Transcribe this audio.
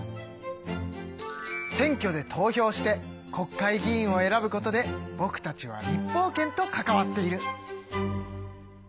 選挙で投票して国会議員を選ぶことでぼくたちは立法権と関わっている。